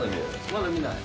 まだ見ない？